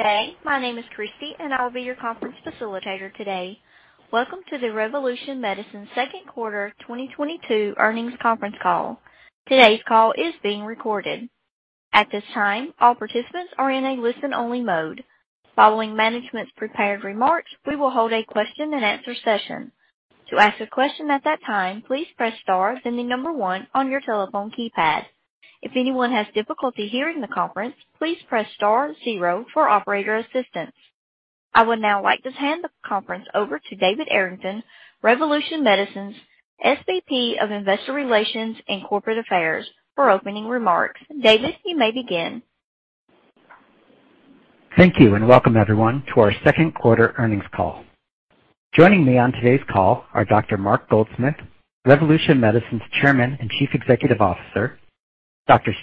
Good day. My name is Christy, and I will be your conference facilitator today. Welcome to the Revolution Medicines second quarter 2022 earnings conference call. Today's call is being recorded. At this time, all participants are in a listen-only mode. Following management's prepared remarks, we will hold a question-and-answer session. To ask a question at that time, please press star, then the number one on your telephone keypad. If anyone has difficulty hearing the conference, please press star zero for operator assistance. I would now like to hand the conference over to David Arrington, Revolution Medicines SVP of Investor Relations and Corporate Affairs, for opening remarks. David, you may begin. Thank you, and welcome everyone to our second quarter earnings call. Joining me on today's call are Dr. Mark Goldsmith, Revolution Medicines Chairman and Chief Executive Officer, Dr.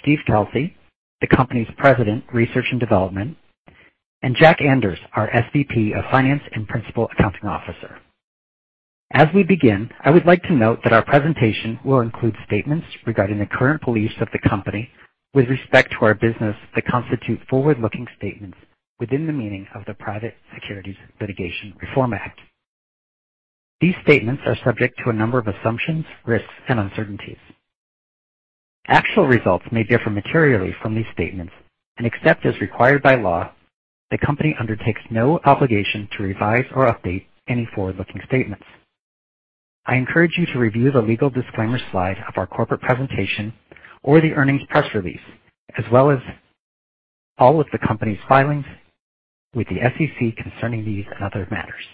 Steve Kelsey, the Company's President, Research and Development, and Jack Anders, our SVP of Finance and Principal Accounting Officer. As we begin, I would like to note that our presentation will include statements regarding the current beliefs of the company with respect to our business that constitute forward-looking statements within the meaning of the Private Securities Litigation Reform Act. These statements are subject to a number of assumptions, risks, and uncertainties. Actual results may differ materially from these statements, and except as required by law, the Company undertakes no obligation to revise or update any forward-looking statements. I encourage you to review the legal disclaimer slide of our corporate presentation or the earnings press release, as well as all of the company's filings with the SEC concerning these and other matters.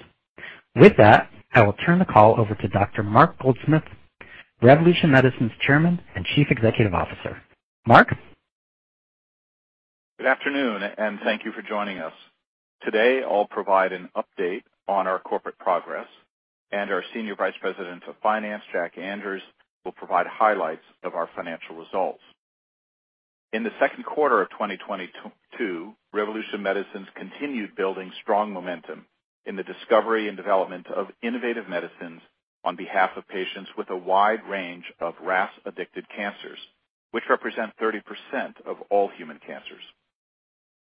With that, I will turn the call over to Dr. Mark Goldsmith, Revolution Medicines Chairman and Chief Executive Officer. Mark. Good afternoon, and thank you for joining us. Today I'll provide an update on our corporate progress, and our Senior Vice President of Finance, Jack Anders, will provide highlights of our financial results. In the second quarter of 2022, Revolution Medicines continued building strong momentum in the discovery and development of innovative medicines on behalf of patients with a wide range of RAS-addicted cancers, which represent 30% of all human cancers.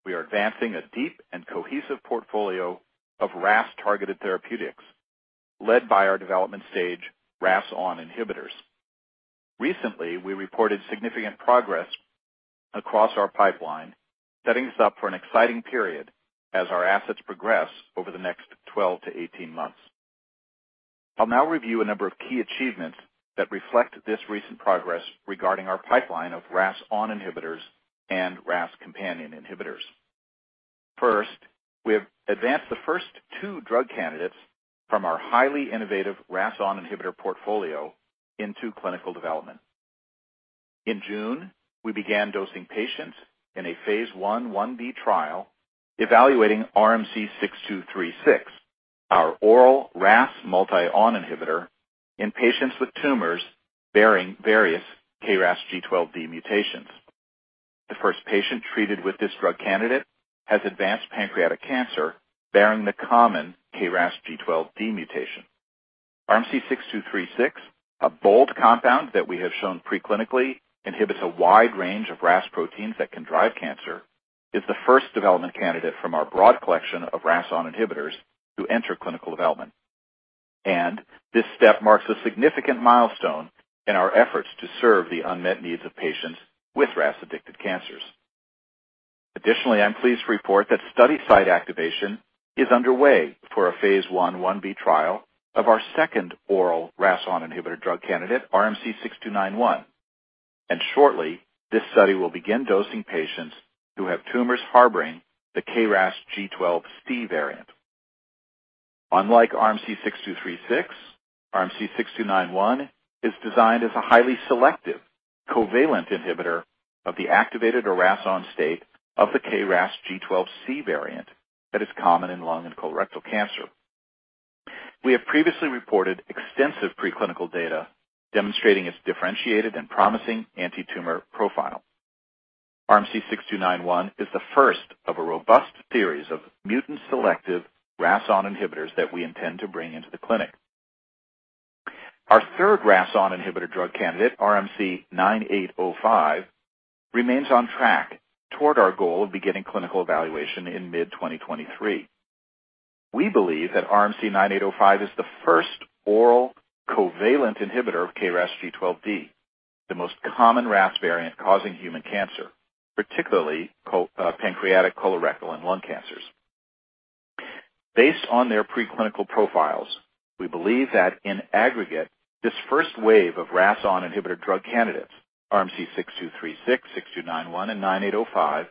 We are advancing a deep and cohesive portfolio of RAS-targeted therapeutics led by our development-stage RAS(ON) inhibitors. Recently, we reported significant progress across our pipeline, setting us up for an exciting period as our assets progress over the next 12-18 months. I'll now review a number of key achievements that reflect this recent progress regarding our pipeline of RAS(ON) inhibitors and RAS companion inhibitors. First, we have advanced the first two drug candidates from our highly innovative RAS(ON) inhibitor portfolio into clinical development. In June, we began dosing patients in a phase I/I-B trial evaluating RMC-6236, our oral RAS multi ON inhibitor in patients with tumors bearing various KRAS G12D mutations. The first patient treated with this drug candidate has advanced pancreatic cancer bearing the common KRAS G12D mutation. RMC-6236, a bold compound that we have shown preclinically inhibits a wide range of RAS proteins that can drive cancer, is the first development candidate from our broad collection of RAS(ON) inhibitors to enter clinical development. This step marks a significant milestone in our efforts to serve the unmet needs of patients with RAS-addicted cancers. Additionally, I'm pleased to report that study site activation is underway for a phase I/I-B trial of our second oral RAS(ON) inhibitor drug candidate, RMC-6291. Shortly, this study will begin dosing patients who have tumors harboring the KRAS G12C variant. Unlike RMC-6236, RMC-6291 is designed as a highly selective covalent inhibitor of the activated or RAS(ON) state of the KRAS G12C variant that is common in lung and colorectal cancer. We have previously reported extensive preclinical data demonstrating its differentiated and promising antitumor profile. RMC-6291 is the first of a robust series of mutant-selective RAS(ON) inhibitors that we intend to bring into the clinic. Our third RAS(ON) inhibitor drug candidate, RMC-9805, remains on track toward our goal of beginning clinical evaluation in mid-2023. We believe that RMC-9805 is the first oral covalent inhibitor of KRAS G12D, the most common RAS variant causing human cancer, particularly pancreatic, colorectal, and lung cancers. Based on their preclinical profiles, we believe that in aggregate, this first wave of RAS(ON) inhibitor drug candidates, RMC-6236, 6291, and 9805,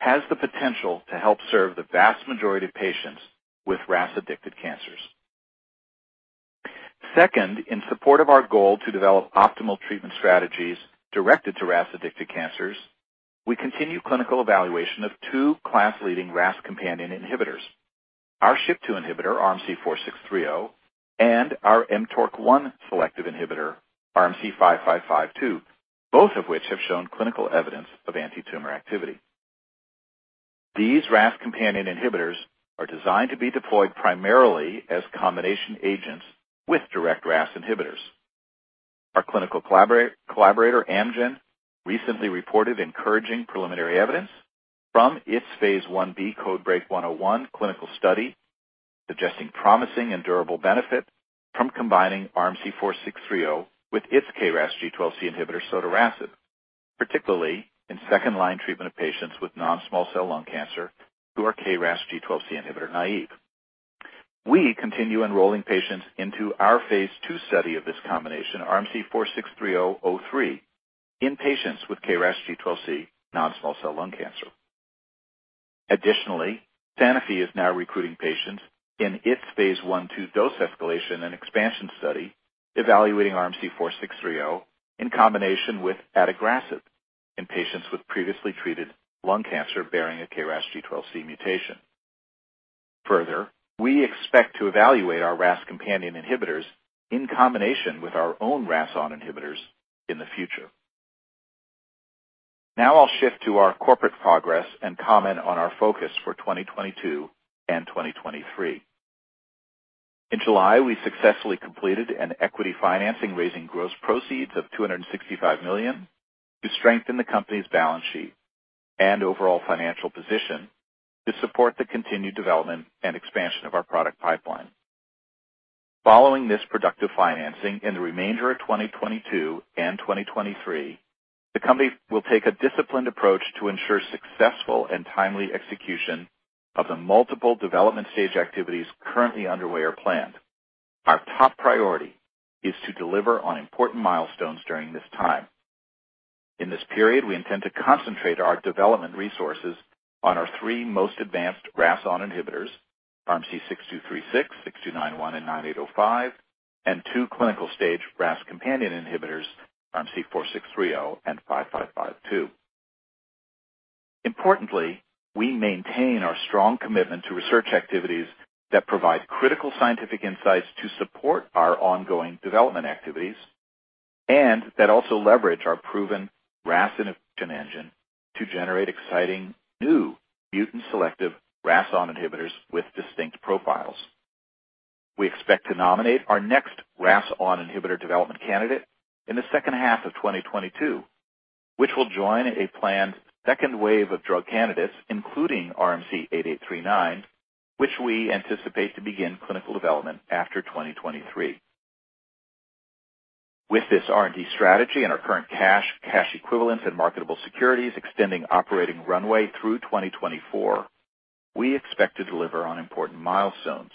has the potential to help serve the vast majority of patients with RAS-addicted cancers. Second, in support of our goal to develop optimal treatment strategies directed to RAS-addicted cancers, we continue clinical evaluation of two class-leading RAS companion inhibitors, our SHP2 inhibitor, RMC-4630, and our mTORC1 selective inhibitor, RMC-5552, both of which have shown clinical evidence of antitumor activity. These RAS companion inhibitors are designed to be deployed primarily as combination agents with direct RAS inhibitors. Our clinical collaborator, Amgen, recently reported encouraging preliminary evidence from its phase I-B CodeBreaK 101 clinical study, suggesting promising and durable benefit from combining RMC-4630 with its KRAS G12C inhibitor sotorasib, particularly in second-line treatment of patients with non-small cell lung cancer who are KRAS G12C inhibitor naive. We continue enrolling patients into our phase II study of this combination, RMC-4630-03, in patients with KRAS G12C non-small cell lung cancer. Additionally, Sanofi is now recruiting patients in its phase I/II dose escalation and expansion study evaluating RMC-4630 in combination with adagrasib in patients with previously treated lung cancer bearing a KRAS G12C mutation. Further, we expect to evaluate our RAS companion inhibitors in combination with our own RAS(ON) inhibitors in the future. Now I'll shift to our corporate progress and comment on our focus for 2022 and 2023. In July, we successfully completed an equity financing, raising gross proceeds of $265 million to strengthen the company's balance sheet and overall financial position to support the continued development and expansion of our product pipeline. Following this productive financing, in the remainder of 2022 and 2023, the company will take a disciplined approach to ensure successful and timely execution of the multiple development stage activities currently underway or planned. Our top priority is to deliver on important milestones during this time. In this period, we intend to concentrate our development resources on our three most advanced RAS(ON) inhibitors, RMC-6236, 6291, and 9805, and two clinical-stage RAS companion inhibitors, RMC-4630 and 5552. Importantly, we maintain our strong commitment to research activities that provide critical scientific insights to support our ongoing development activities and that also leverage our proven RAS innovation engine to generate exciting new mutant-selective RAS(ON) inhibitors with distinct profiles. We expect to nominate our next RAS(ON) inhibitor development candidate in the second half of 2022, which will join a planned second wave of drug candidates, including RMC-8839, which we anticipate to begin clinical development after 2023. With this R&D strategy and our current cash equivalents, and marketable securities extending operating runway through 2024, we expect to deliver on important milestones.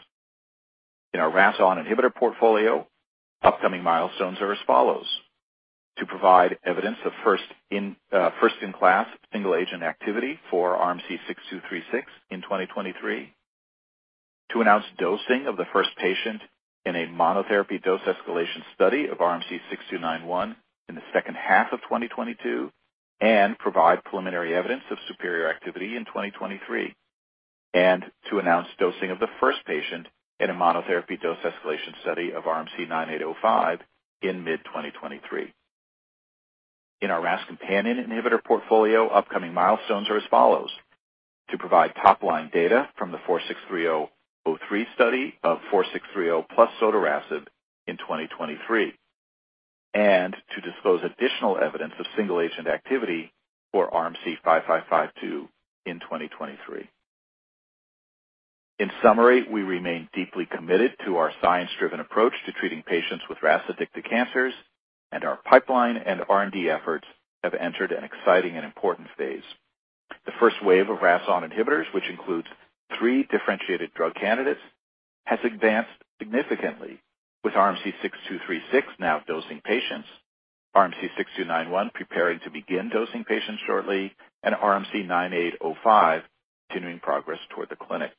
In our RAS(ON) inhibitor portfolio, upcoming milestones are as follows. To provide evidence of first in class single agent activity for RMC-6236 in 2023, to announce dosing of the first patient in a monotherapy dose escalation study of RMC-6291 in the second half of 2022, and provide preliminary evidence of superior activity in 2023, and to announce dosing of the first patient in a monotherapy dose escalation study of RMC-9805 in mid 2023. In our RAS companion inhibitor portfolio, upcoming milestones are as follows. To provide top-line data from the RMC-4630-03 study of RMC-4630 plus sotorasib in 2023, and to disclose additional evidence of single-agent activity for RMC-5552 in 2023. In summary, we remain deeply committed to our science-driven approach to treating patients with RAS-addicted cancers, and our pipeline and R&D efforts have entered an exciting and important phase. The first wave of RAS(ON) inhibitors, which includes three differentiated drug candidates, has advanced significantly with RMC-6236 now dosing patients, RMC-6291 preparing to begin dosing patients shortly, and RMC-9805 continuing progress toward the clinic.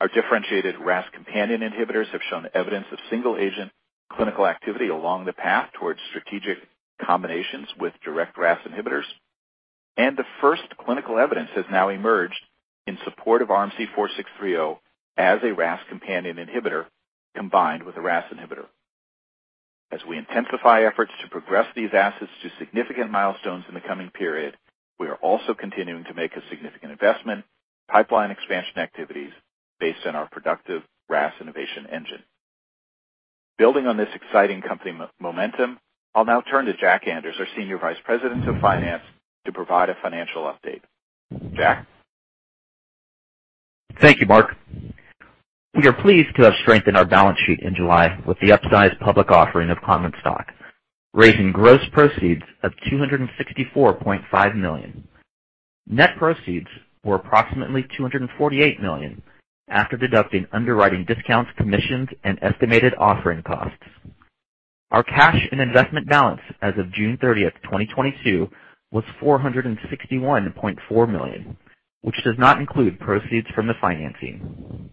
Our differentiated RAS companion inhibitors have shown evidence of single-agent clinical activity along the path toward strategic combinations with direct RAS inhibitors. The first clinical evidence has now emerged in support of RMC-4630 as a RAS companion inhibitor combined with a RAS inhibitor. As we intensify efforts to progress these assets to significant milestones in the coming period, we are also continuing to make a significant investment in pipeline expansion activities based on our productive RAS innovation engine. Building on this exciting company momentum, I'll now turn to Jack Anders, our Senior Vice President of Finance, to provide a financial update. Jack? Thank you, Mark. We are pleased to have strengthened our balance sheet in July with the upsized public offering of common stock, raising gross proceeds of $264.5 million. Net proceeds were approximately $248 million after deducting underwriting discounts, commissions, and estimated offering costs. Our cash and investment balance as of June 30th, 2022, was $461.4 million, which does not include proceeds from the financing.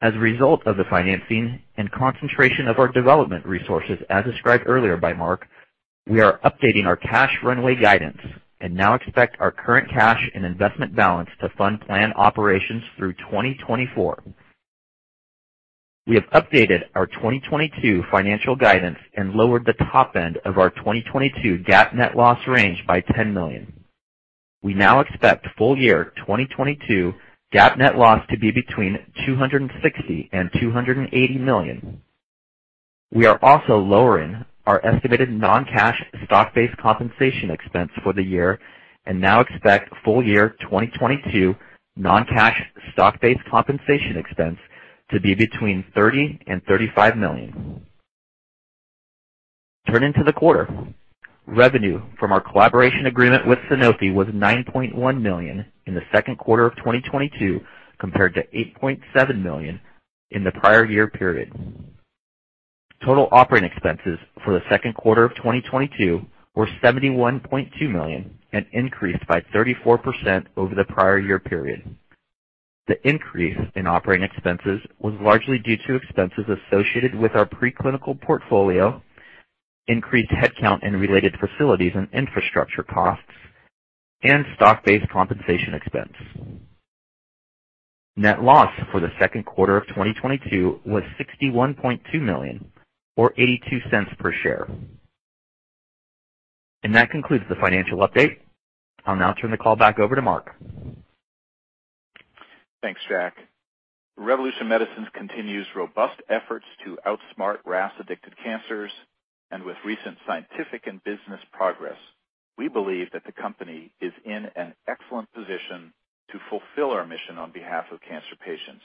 As a result of the financing and concentration of our development resources, as described earlier by Mark, we are updating our cash runway guidance and now expect our current cash and investment balance to fund planned operations through 2024. We have updated our 2022 financial guidance and lowered the top end of our 2022 GAAP net loss range by $10 million. We now expect full-year 2022 GAAP net loss to be between $260 million and $280 million. We are also lowering our estimated non-cash stock-based compensation expense for the year and now expect full-year 2022 non-cash stock-based compensation expense to be between $30 million and $35 million. Turning to the quarter. Revenue from our collaboration agreement with Sanofi was $9.1 million in the second quarter of 2022 compared to $8.7 million in the prior year period. Total operating expenses for the second quarter of 2022 were $71.2 million and increased by 34% over the prior year period. The increase in operating expenses was largely due to expenses associated with our pre-clinical portfolio, increased headcount and related facilities and infrastructure costs, and stock-based compensation expense. Net loss for the second quarter of 2022 was $61.2 million or $0.82 per share. That concludes the financial update. I'll now turn the call back over to Mark. Thanks, Jack. Revolution Medicines continues robust efforts to outsmart RAS-addicted cancers. With recent scientific and business progress, we believe that the company is in an excellent position to fulfill our mission on behalf of cancer patients.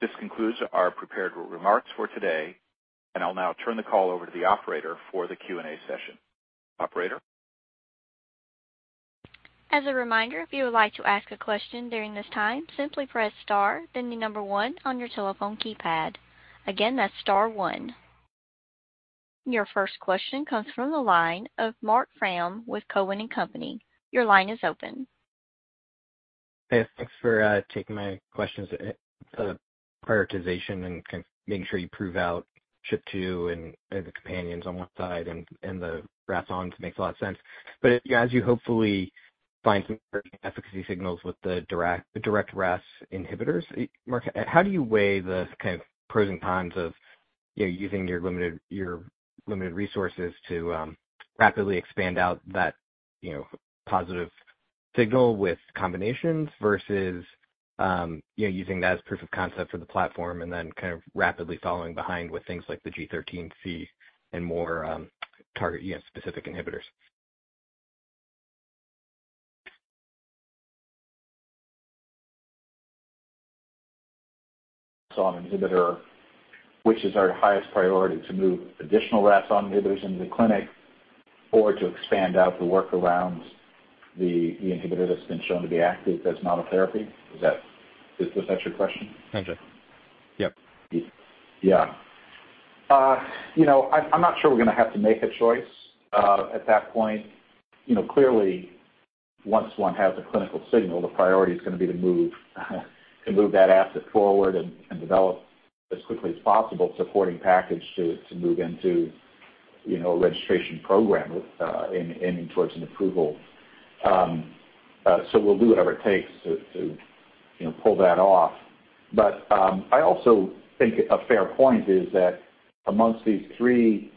This concludes our prepared remarks for today, and I'll now turn the call over to the operator for the Q&A session. Operator? As a reminder, if you would like to ask a question during this time, simply press star, then the number one on your telephone keypad. Again, that's star one. Your first question comes from the line of Marc Frahm with Cowen and Company. Your line is open. Yes, thanks for taking my questions. The prioritization and making sure you prove out SHP2 and the companions on one side and the RAS(ON)s makes a lot of sense. As you hopefully find some efficacy signals with the direct RAS inhibitors, Mark, how do you weigh the kind of pros and cons of, you know, using your limited resources to rapidly expand out that, you know, positive signal with combinations versus, you know, using that as proof of concept for the platform and then kind of rapidly following behind with things like the G13C and more target specific inhibitors? Inhibitor, which is our highest priority to move additional RAS(ON) inhibitors into the clinic or to expand out the work around the inhibitor that's been shown to be active as monotherapy. Is that your question? Yep. Yeah. You know, I'm not sure we're going to have to make a choice at that point. You know, clearly, once one has a clinical signal, the priority is going to be to move that asset forward and develop as quickly as possible supporting package to move into, you know, a registration program and towards an approval. We'll do whatever it takes to pull that off. I also think a fair point is that among these three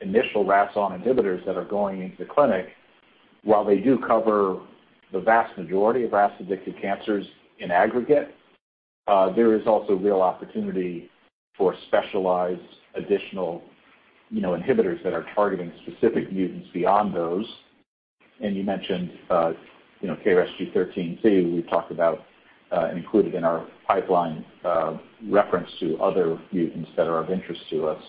initial RAS(ON) inhibitors that are going into the clinic, while they do cover the vast majority of RAS-addicted cancers in aggregate, there is also real opportunity for specialized additional, you know, inhibitors that are targeting specific mutants beyond those. You mentioned, you know, KRAS G13C, we talked about, included in our pipeline, reference to other mutants that are of interest to us.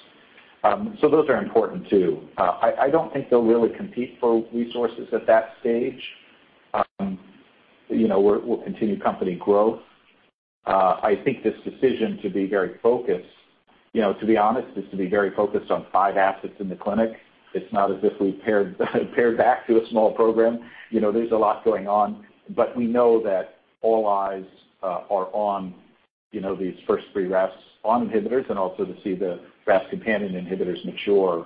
Those are important too. I don't think they'll really compete for resources at that stage. You know, we'll continue company growth. I think this decision to be very focused, you know, to be honest, is to be very focused on five assets in the clinic. It's not as if we paired back to a small program. You know, there's a lot going on, but we know that all eyes are on, you know, these first three RAS(ON) inhibitors and also to see the RAS companion inhibitors mature.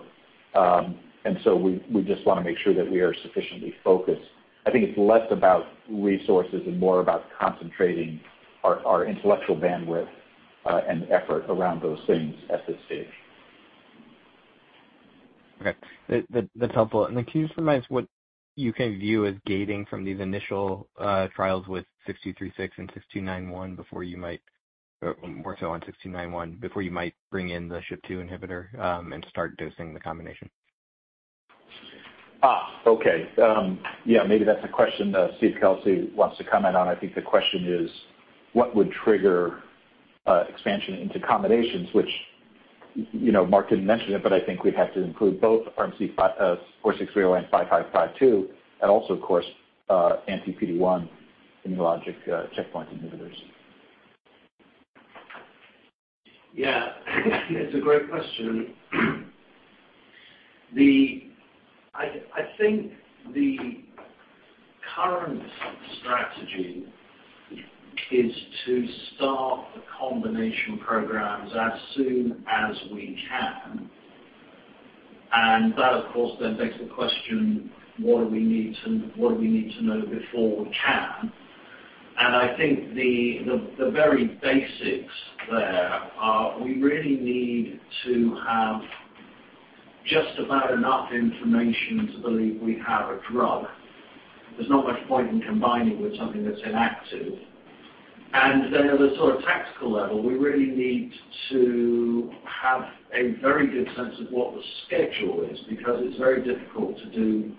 We just want to make sure that we are sufficiently focused. I think it's less about resources and more about concentrating our intellectual bandwidth and effort around those things at this stage. Okay. That's helpful. Can you just remind us what you view as gating from these initial trials with 6236 and 6291 before you might or more so on 6291 before you might bring in the SHP2 inhibitor and start dosing the combination? Maybe that's a question that Steve Kelsey wants to comment on. I think the question is what would trigger expansion into combinations, which, you know, Marc didn't mention it, but I think we'd have to include both RMC-4630 and 5552, and also, of course, anti-PD-1 immunologic checkpoint inhibitors. Yeah. It's a great question. I think the current strategy is to start the combination programs as soon as we can. That, of course, then begs the question, what do we need to know before we can? I think the very basics there are we really need to have Just about enough information to believe we have a drug. There's not much point in combining with something that's inactive. At a sort of tactical level, we really need to have a very good sense of what the schedule is, because it's very difficult to do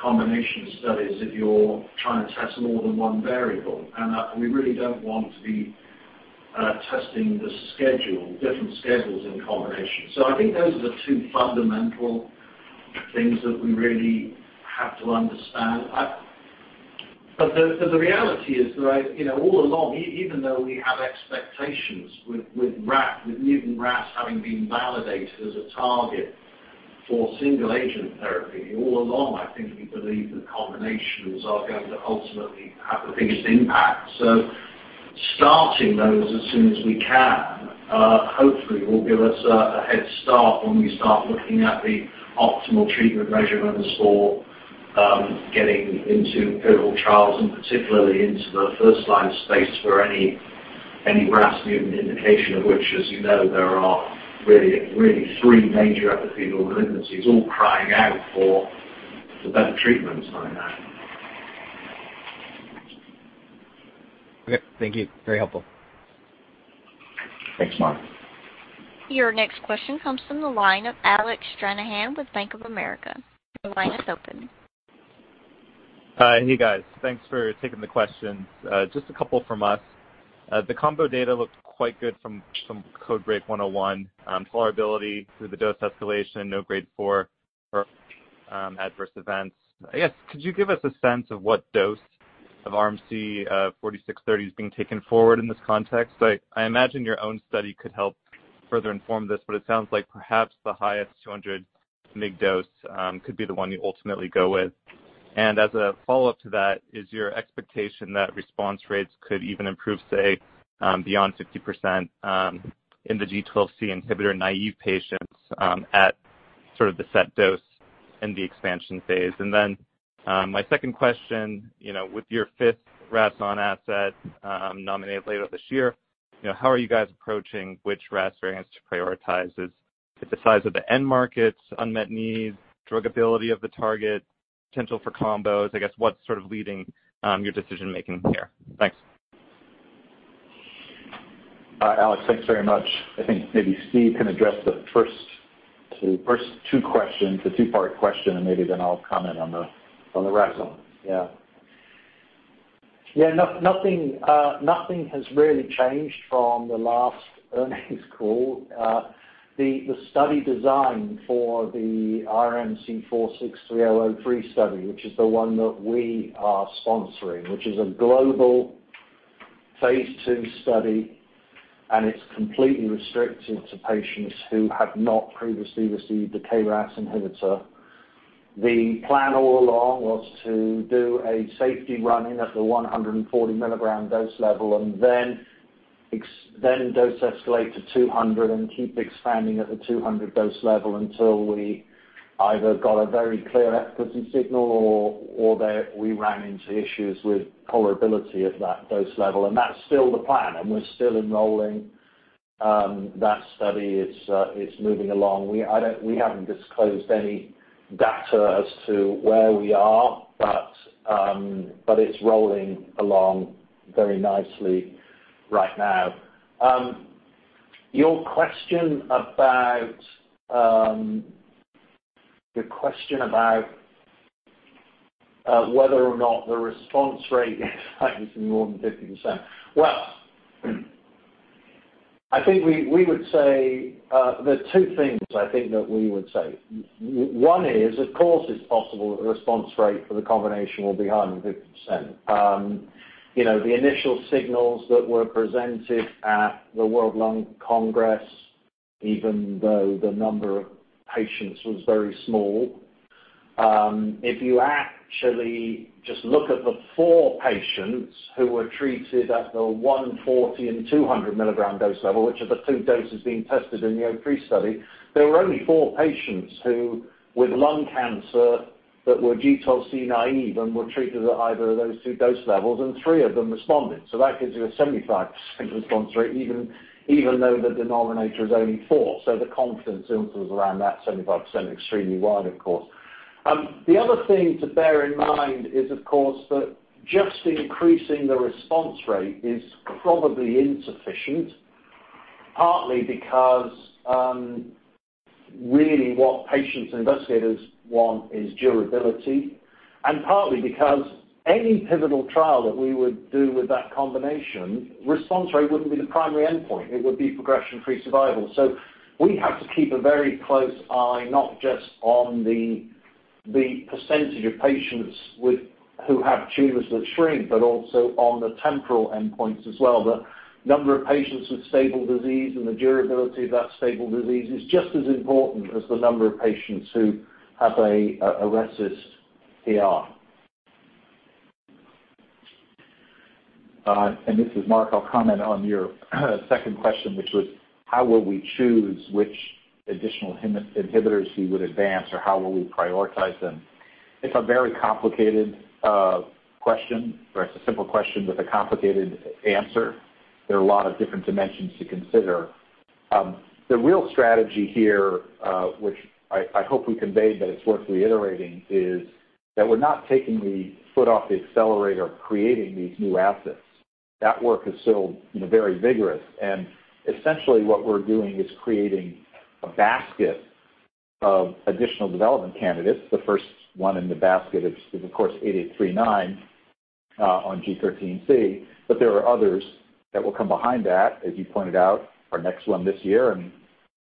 combination studies if you're trying to test more than one variable. We really don't want to be testing the schedule, different schedules in combination. I think those are the two fundamental things that we really have to understand. The reality is that I, you know, all along, even though we have expectations with RAS, with mutant RAS having been validated as a target for single agent therapy, all along, I think we believe that combinations are going to ultimately have the biggest impact. Starting those as soon as we can, hopefully will give us a head start when we start looking at the optimal treatment regimens for getting into pivotal trials, and particularly into the first line space for any RAS mutant indication of which, as you know, there are really three major epithelial malignancies all crying out for better treatments like that. Okay. Thank you. Very helpful. Thanks, Mark. Your next question comes from the line of Alec Stranahan with Bank of America. Your line is open. Hi. Hey, guys. Thanks for taking the questions. Just a couple from us. The combo data looked quite good from CodeBreaK 101, tolerability through the dose escalation, no grade 4 or adverse events. I guess, could you give us a sense of what dose of RMC-4630 is being taken forward in this context? I imagine your own study could help further inform this, but it sounds like perhaps the highest 200 mg dose could be the one you ultimately go with. As a follow-up to that, is your expectation that response rates could even improve, say, beyond 50%, in the G12C inhibitor-naive patients, at sort of the set dose in the expansion phase? My second question, you know, with your fifth RAS(ON) asset, nominated later this year, you know, how are you guys approaching which RAS variants to prioritize? Is it the size of the end markets, unmet needs, druggability of the target, potential for combos? I guess what's sort of leading your decision-making here? Thanks. All right, Alec, thanks very much. I think maybe Steve can address the first two questions, the two-part question, and maybe then I'll comment on the rest. Yeah. Nothing has really changed from the last earnings call. The study design for the RMC-4630-03 study, which is the one that we are sponsoring, which is a global phase II study, and it's completely restricted to patients who have not previously received a KRAS inhibitor. The plan all along was to do a safety run-in at the 140 mg dose level and then dose escalate to 200 mg and keep expanding at the 200 mg dose level until we either got a very clear efficacy signal or that we ran into issues with tolerability at that dose level. That's still the plan, and we're still enrolling that study. It's moving along. We haven't disclosed any data as to where we are, but it's rolling along very nicely right now. Your question about whether or not the response rate is likely to be more than 50%. Well, I think we would say there are two things I think that we would say. One is, of course, it's possible that the response rate for the combination will be higher than 50%. You know, the initial signals that were presented at the World Lung Congress, even though the number of patients was very small, if you actually just look at the four patients who were treated at the 140 mg and 200 mg dose level, which are the two doses being tested in the 03 study, there were only four patients who with lung cancer that were G12C naive and were treated at either of those two dose levels, and three of them responded. That gives you a 75% response rate, even though the denominator is only four. The confidence interval is around that 75%, extremely wide of course. The other thing to bear in mind is, of course, that just increasing the response rate is probably insufficient, partly because really what patients and investigators want is durability, and partly because any pivotal trial that we would do with that combination, response rate wouldn't be the primary endpoint. It would be progression-free survival. We have to keep a very close eye, not just on the percentage of patients who have tumors that shrink, but also on the temporal endpoints as well. The number of patients with stable disease and the durability of that stable disease is just as important as the number of patients who have a RECIST PR. This is Mark. I'll comment on your second question, which was how will we choose which additional multi-inhibitors we would advance, or how will we prioritize them? It's a very complicated question, or it's a simple question with a complicated answer. There are a lot of different dimensions to consider. The real strategy here, which I hope we conveyed, but it's worth reiterating, is that we're not taking the foot off the accelerator creating these new assets. That work is still, you know, very vigorous. Essentially what we're doing is creating a basket of additional development candidates. The first one in the basket is of course 8839 on G13C. There are others that will come behind that. As you pointed out, our next one this year and,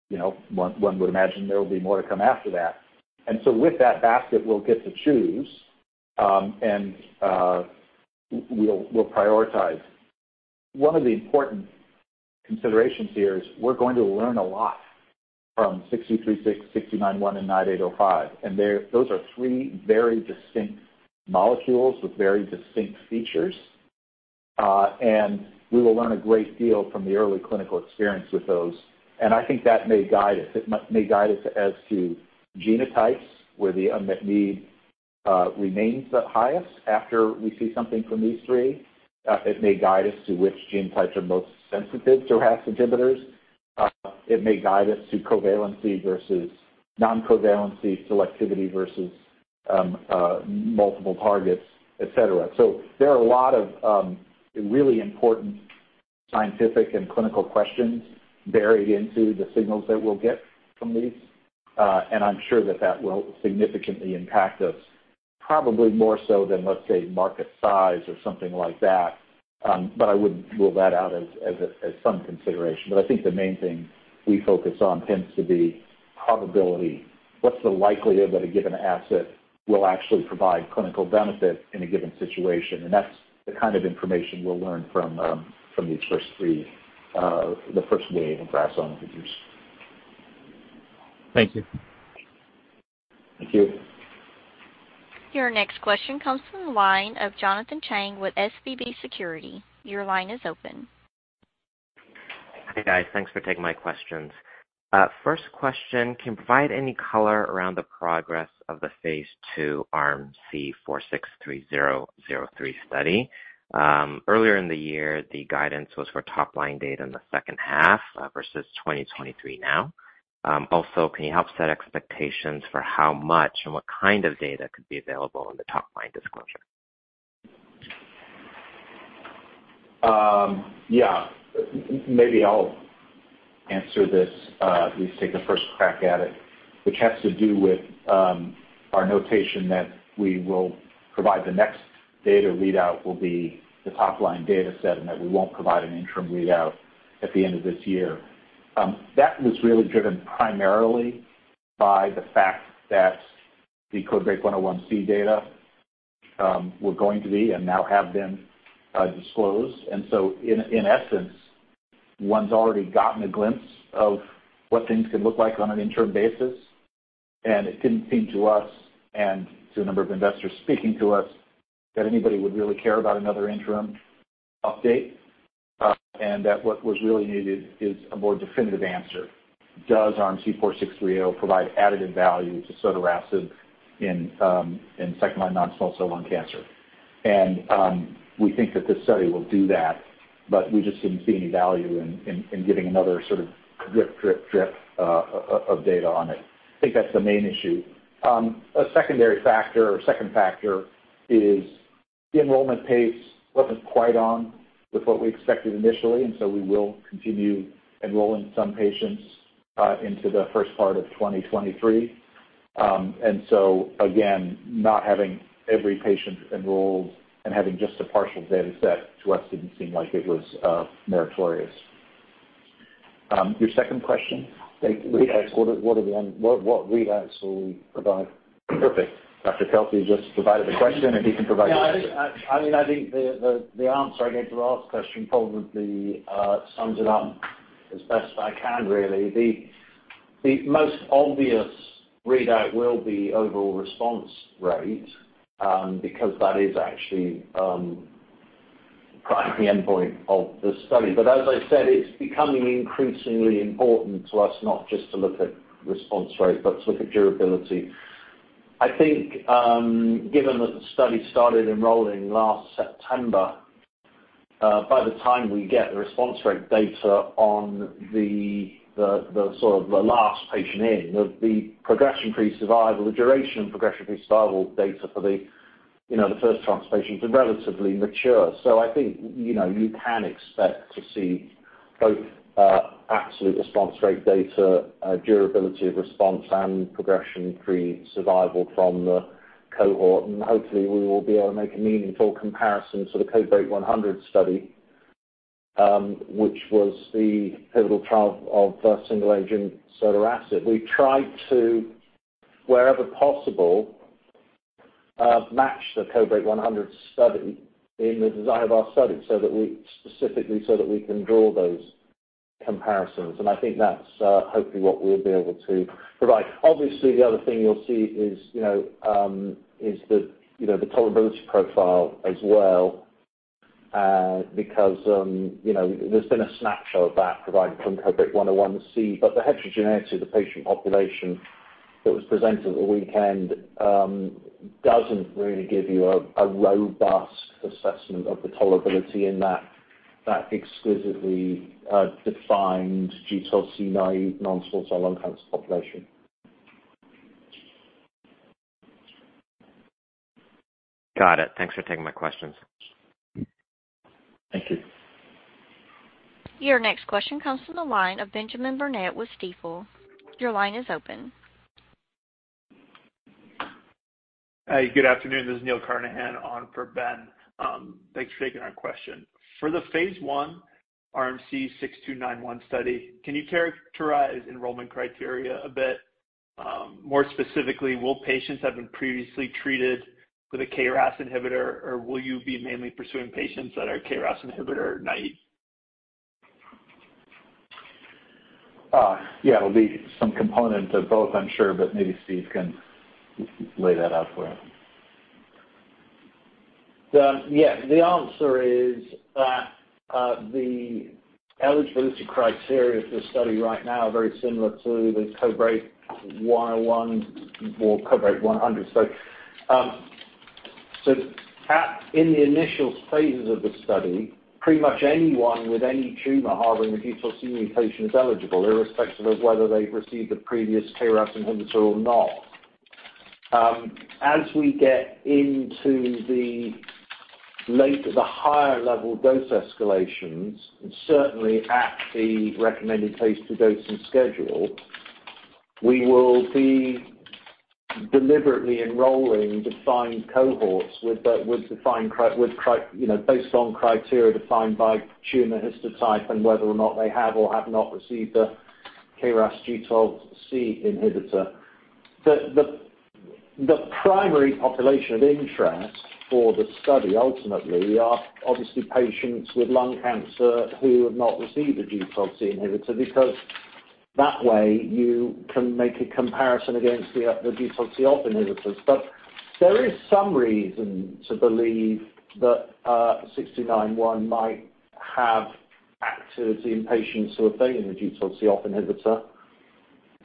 you know, one would imagine there will be more to come after that. So with that basket, we'll get to choose, and we'll prioritize. One of the important considerations here is we're going to learn a lot from 6236, 6291, and 9805. There, those are three very distinct molecules with very distinct features. We will learn a great deal from the early clinical experience with those. I think that may guide us. It may guide us as to genotypes where the unmet need remains the highest after we see something from these three. It may guide us to which genotypes are most sensitive to RAS inhibitors. It may guide us to covalency versus non-covalency selectivity versus multiple targets, et cetera. There are a lot of really important scientific and clinical questions buried into the signals that we'll get from these. I'm sure that that will significantly impact us probably more so than, let's say, market size or something like that. I wouldn't rule that out as some consideration. I think the main thing we focus on tends to be probability. What's the likelihood that a given asset will actually provide clinical benefit in a given situation? That's the kind of information we'll learn from these first three, the first wave of RAS inhibitors. Thank you. Thank you. Your next question comes from the line of Jonathan Chang with SVB Securities. Your line is open. Hey, guys. Thanks for taking my questions. First question, can you provide any color around the progress of the phase II RMC-4630-03 study? Earlier in the year, the guidance was for top line data in the second half versus 2023 now. Also, can you help set expectations for how much and what kind of data could be available in the top line disclosure? Yeah, maybe I'll answer this, at least take a first crack at it, which has to do with our notation that we will provide the next data readout will be the top line data set, and that we won't provide an interim readout at the end of this year. That was really driven primarily by the fact that the CodeBreaK 101c data were going to be and now have been disclosed. In essence, one's already gotten a glimpse of what things could look like on an interim basis, and it didn't seem to us and to a number of investors speaking to us that anybody would really care about another interim update, and that what was really needed is a more definitive answer. Does RMC-4630 provide additive value to sotorasib in second-line non-small cell lung cancer? We think that this study will do that, but we just didn't see any value in giving another sort of drip, drip of data on it. I think that's the main issue. A secondary factor or second factor is the enrollment pace wasn't quite on with what we expected initially, and we will continue enrolling some patients into the first part of 2023. Again, not having every patient enrolled and having just a partial data set to us didn't seem like it was meritorious. Your second question? Readouts. What readouts will we provide? Perfect. Dr. Steve Kelsey just provided the question, and he can provide the answer. Yeah, I mean, I think the answer I gave to the last question probably sums it up as best I can, really. The most obvious readout will be overall response rate, because that is actually kind of the endpoint of the study. As I said, it's becoming increasingly important to us not just to look at response rate, but to look at durability. I think, given that the study started enrolling last September, by the time we get the response rate data on the sort of the last patient in, the progression-free survival, the duration of progression-free survival data for the, you know, the first transplant patients are relatively mature. I think, you know, you can expect to see both absolute response rate data, durability of response and progression-free survival from the cohort. Hopefully, we will be able to make a meaningful comparison to the CodeBreaK 100 study, which was the pivotal trial of single agent sotorasib. We tried to, wherever possible, match the CodeBreaK 100 study in the design of our study so that we can draw those comparisons. I think that's hopefully what we'll be able to provide. Obviously, the other thing you'll see is, you know, is the tolerability profile as well. Because, you know, there's been a snapshot of that provided from CodeBreaK 101c, but the heterogeneity of the patient population that was presented over the weekend doesn't really give you a robust assessment of the tolerability in that exquisitely defined G12C naive non-small cell lung cancer population. Got it. Thanks for taking my questions. Thank you. Your next question comes from the line of Benjamin Burnett with Stifel. Your line is open. Hi. Good afternoon. This is Neil Carnahan on for Ben. Thanks for taking our question. For the phase I RMC-6291 study, can you characterize enrollment criteria a bit? More specifically, will patients have been previously treated with a KRAS inhibitor, or will you be mainly pursuing patients that are KRAS inhibitor naive? Yeah, it'll be some component of both, I'm sure, but maybe Steve can lay that out for you. The answer is that the eligibility criteria for the study right now are very similar to the CodeBreaK 101 or CodeBreaK 100. In the initial phases of the study, pretty much anyone with any tumor harboring the G12C mutation is eligible, irrespective of whether they've received the previous KRAS inhibitor or not. As we get into the later, the higher level dose escalations, and certainly at the recommended phase II dosing schedule, we will be deliberately enrolling defined cohorts with defined criteria, you know, based on criteria defined by tumor histotype and whether or not they have or have not received a KRAS G12C inhibitor. The primary population of interest for the study, ultimately, are obviously patients with lung cancer who have not received a G12C inhibitor, because that way you can make a comparison against the G12C(OFF) inhibitors. There is some reason to believe that 6291 might have activity in patients who are failing the G12C(OFF) inhibitor.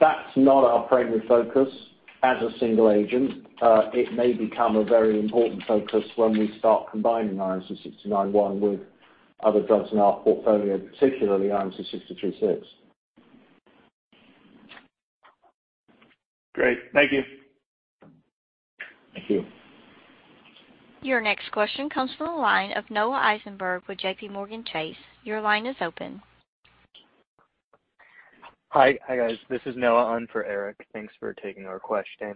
That's not our primary focus as a single agent. It may become a very important focus when we start combining RMC-6291 with other drugs in our portfolio, particularly RMC-6236. Great. Thank you. Thank you. Your next question comes from the line of Noah Eisenberg with JPMorgan Chase. Your line is open. Hi. Hi, guys. This is Noah on for Eric. Thanks for taking our question.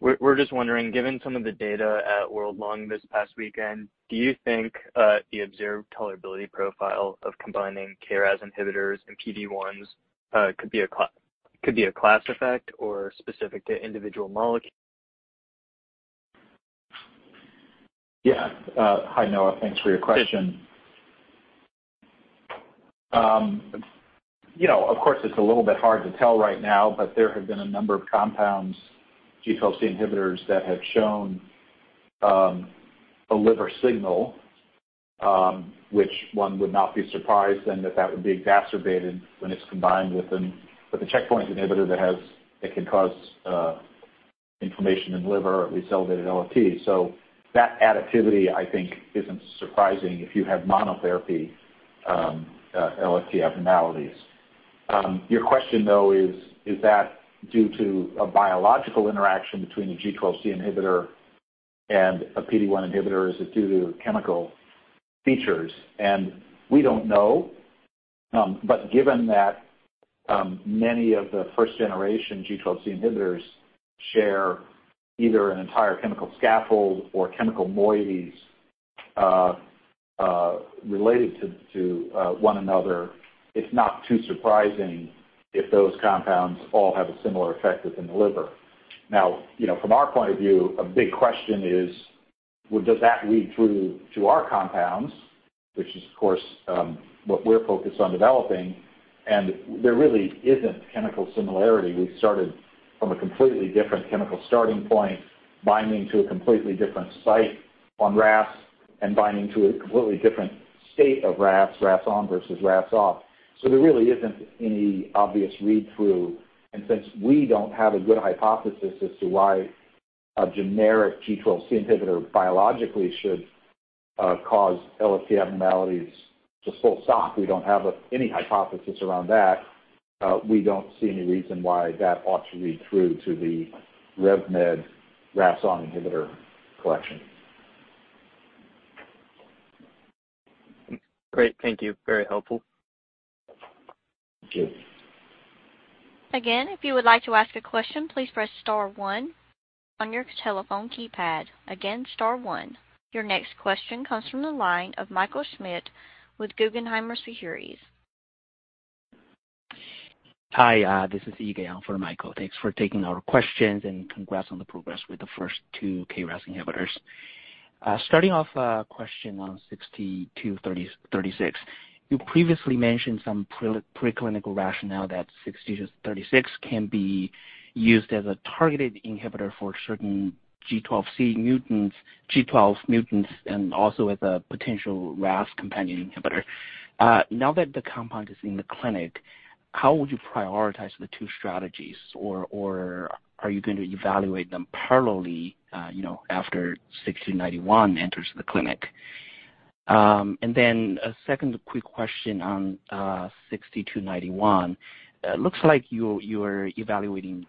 We're just wondering, given some of the data at World Lung this past weekend, do you think the observed tolerability profile of combining KRAS inhibitors and PD-1s could be a class effect or specific to individual molecule? Yeah. Hi, Noah. Thanks for your question. You know, of course, it's a little bit hard to tell right now, but there have been a number of compounds, G12C inhibitors that have shown a liver signal, which one would not be surprised then that that would be exacerbated when it's combined with a checkpoint inhibitor that can cause inflammation in liver, at least elevated ALT. So that additivity, I think, isn't surprising if you have monotherapy ALT abnormalities. Your question, though, is that due to a biological interaction between the G12C inhibitor and a PD-1 inhibitor, is it due to chemical features? We don't know. Given that, many of the first generation G12C inhibitors share either an entire chemical scaffold or chemical moieties related to one another, it's not too surprising if those compounds all have a similar effect within the liver. Now, you know, from our point of view, a big question is, well, does that read through to our compounds, which is of course what we're focused on developing, and there really isn't chemical similarity. We've started from a completely different chemical starting point, binding to a completely different site on RAS and binding to a completely different state of RAS(ON) versus RAS(OFF). There really isn't any obvious read-through. Since we don't have a good hypothesis as to why a generic G12C inhibitor biologically should cause ALT abnormalities to slow us down, we don't have any hypothesis around that. We don't see any reason why that ought to read through to the RevMed RAS(ON) inhibitor collection. Great. Thank you. Very helpful. Thank you. Again, if you would like to ask a question, please press star one on your telephone keypad. Again, star one. Your next question comes from the line of Michael Schmidt with Guggenheim Securities. Hi, this is Yige on for Michael. Thanks for taking our questions and congrats on the progress with the first two KRAS inhibitors. Starting off a question on 6236. You previously mentioned some preclinical rationale that 6236 can be used as a targeted inhibitor for certain G12C mutants, G12 mutants, and also as a potential RAS companion inhibitor. Now that the compound is in the clinic, how would you prioritize the two strategies, or are you going to evaluate them parallelly, you know, after 6291 enters the clinic? And then a second quick question on 6291. It looks like you're evaluating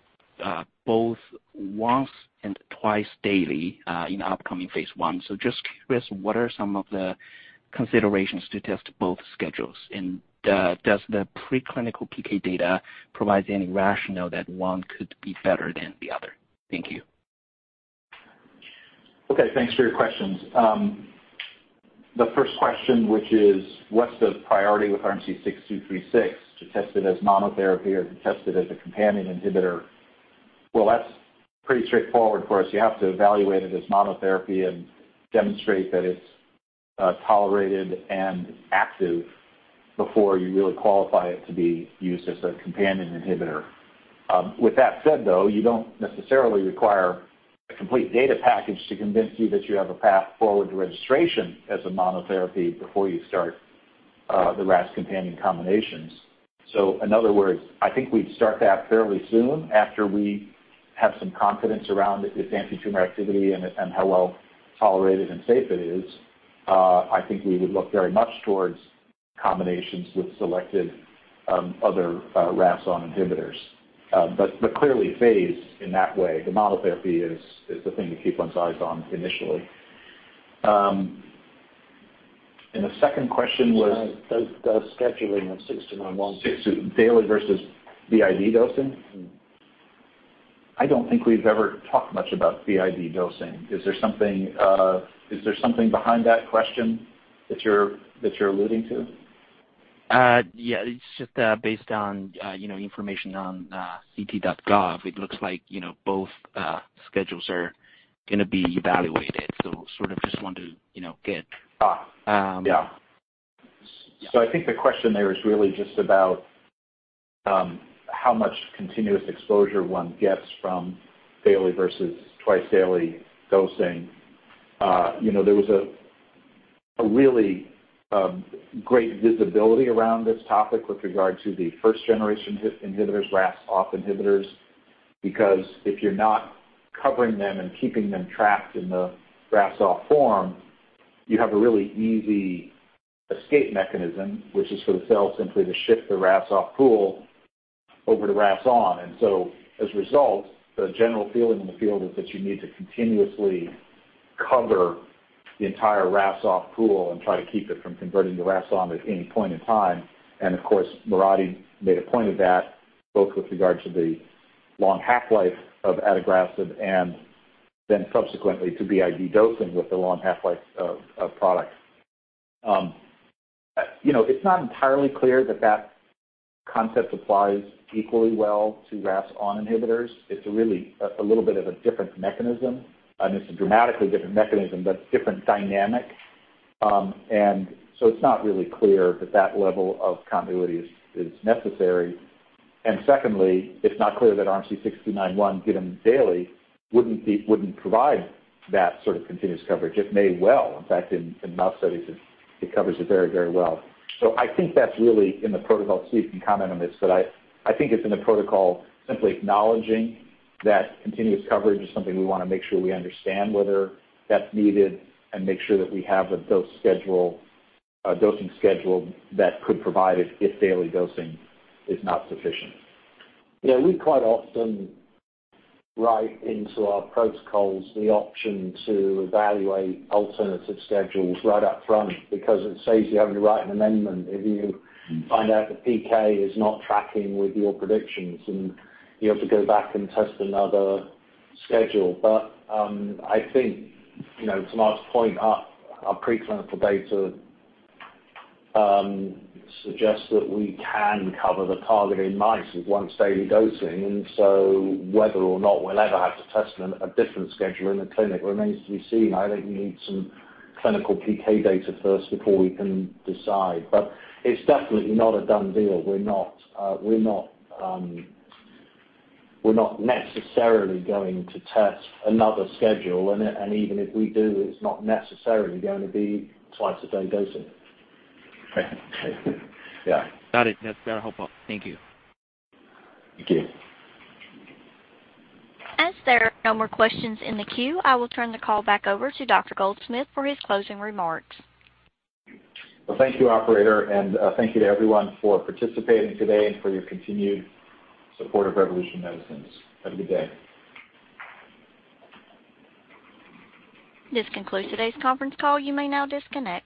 both once and twice daily in upcoming phase I. So just curious, what are some of the considerations to test both schedules? And does the preclinical PK data provide any rationale that one could be better than the other? Thank you. Okay, thanks for your questions. The first question, which is what's the priority with RMC-6236 to test it as monotherapy or to test it as a companion inhibitor? Well, that's pretty straightforward for us. You have to evaluate it as monotherapy and demonstrate that it's tolerated and active before you really qualify it to be used as a companion inhibitor. With that said, though, you don't necessarily require a complete data package to convince you that you have a path forward to registration as a monotherapy before you start the RAS companion combinations. In other words, I think we'd start that fairly soon after we have some confidence around its antitumor activity and how well tolerated and safe it is. I think we would look very much towards combinations with selected other RAS(ON) inhibitors. Clearly phased in that way. The monotherapy is the thing to keep one's eyes on initially. The second question was. The scheduling of 6291. Daily versus BID dosing? Mm-hmm. I don't think we've ever talked much about BID dosing. Is there something behind that question that you're alluding to? Yeah. It's just based on you know information on CT.gov. It looks like you know both schedules are gonna be evaluated. Sort of just want to you know get- Ah. Um. Yeah. I think the question there is really just about how much continuous exposure one gets from daily versus twice daily dosing. You know, there was a really great visibility around this topic with regard to the first generation hit inhibitors, RAS(OFF) inhibitors, because if you're not covering them and keeping them trapped in the RAS(OFF) form, you have a really easy escape mechanism, which is for the cell simply to shift the RAS(OFF) pool over to RAS(ON). As a result, the general feeling in the field is that you need to continuously cover the entire RAS(OFF) pool and try to keep it from converting to RAS(ON) at any point in time. Of course, Mirati made a point of that, both with regard to the long half-life of adagrasib and then subsequently to BID dosing with the long half-life of product. You know, it's not entirely clear that that concept applies equally well to RAS(ON) inhibitors. It's really a little bit of a different mechanism, and it's a dramatically different mechanism, but different dynamic. So it's not really clear that that level of continuity is necessary. Secondly, it's not clear that RMC-6291 given daily wouldn't provide that sort of continuous coverage. It may well. In fact, in mouse studies, it covers it very, very well. So I think that's really in the protocol. Steve can comment on this, but I think it's in the protocol simply acknowledging that continuous coverage is something we wanna make sure we understand whether that's needed and make sure that we have a dose schedule, dosing schedule that could provide it if daily dosing is not sufficient. Yeah. We quite often write into our protocols the option to evaluate alternative schedules right up front because it saves you having to write an amendment if you find out the PK is not tracking with your predictions, and you have to go back and test another schedule. I think, you know, to Marc's point, our preclinical data suggests that we can cover the target in mice with once daily dosing. Whether or not we'll ever have to test a different schedule in the clinic remains to be seen. I think we need some clinical PK data first before we can decide. It's definitely not a done deal. We're not necessarily going to test another schedule. Even if we do, it's not necessarily going to be twice a day dosing. Yeah. Got it. That's very helpful. Thank you. Thank you. As there are no more questions in the queue, I will turn the call back over to Dr. Mark Goldsmith for his closing remarks. Well, thank you, operator, and, thank you to everyone for participating today and for your continued support of Revolution Medicines. Have a good day. This concludes today's conference call. You may now disconnect.